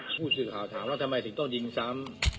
ผู้สื่อข่าวถามว่าทำไมถึงต้องยิงซ้ำ